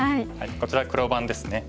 こちら黒番ですね。